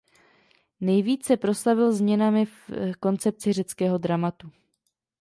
Nejvíc se proslavil změnami v koncepci řeckého dramatu.